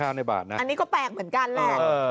อันนี้ก็แปลกเหมือนกันแหละ